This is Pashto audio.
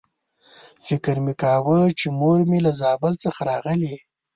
فکر مې کاوه چې مور مې له زابل څخه راغلې.